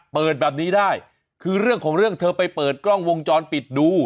เปิดแบบนี้ได้คือเรื่องของเรื่องเธอไปเปิดกล้องวงจรปิดดู